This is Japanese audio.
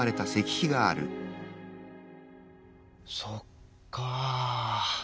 そっか。